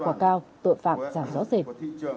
quả cao tội phạm giảm rõ rệt